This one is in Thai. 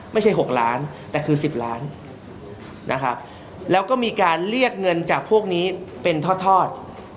ไม่ใช่๖ล้านแต่คือ๑๐ล้านนะครับแล้วก็มีการเรียกเงินจากพวกนี้เป็นทอด